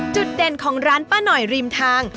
จุดเด่นของร้านป้าหน่อยริมทาง